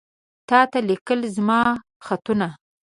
تاته ليکلي زما خطونه